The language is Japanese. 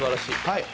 はい。